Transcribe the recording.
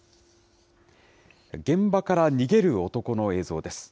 現場から逃げる男の映像です。